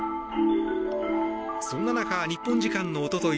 そんな中、日本時間のおととい